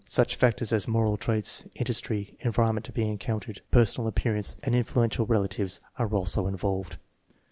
Such factors as moral traits, industry, environment to be encountered, personal appearance, and influential relatives are also involved.